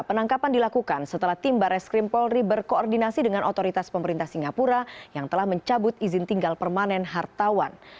penangkapan dilakukan setelah tim bares krim polri berkoordinasi dengan otoritas pemerintah singapura yang telah mencabut izin tinggal permanen hartawan